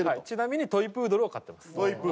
ちなみにトイプードルを飼ってます。